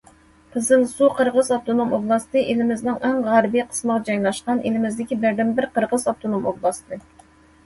قىزىلسۇ قىرغىز ئاپتونوم ئوبلاستى ئېلىمىزنىڭ ئەڭ غەربىي قىسمىغا جايلاشقان، ئېلىمىزدىكى بىردىنبىر قىرغىز ئاپتونوم ئوبلاستى.